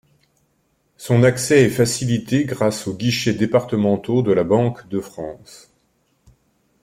Son accès est facilité grâce aux guichets départementaux de la Banque de France.